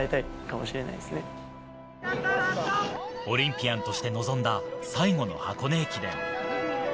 オリンピアンとして臨んだ最後の箱根駅伝。